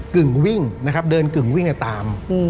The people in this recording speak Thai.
กึ่งวิ่งนะครับเดินกึ่งวิ่งตาม